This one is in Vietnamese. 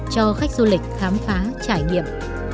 cho khách du lịch khám phá trải nghiệm